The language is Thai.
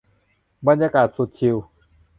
บรรยากาศสุดชิล